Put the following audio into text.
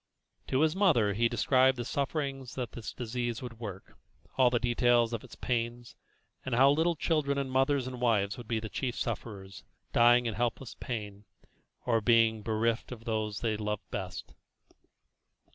To his mother he described the sufferings that this disease would work, all the details of its pains, and how little children and mothers and wives would be the chief sufferers, dying in helpless pain, or being bereft of those they loved best.